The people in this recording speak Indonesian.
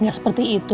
gak seperti itu